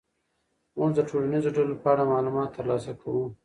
موږ د ټولنیزو ډلو په اړه معلومات ترلاسه کوو.